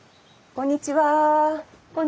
こんにちは。